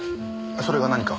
それが何か？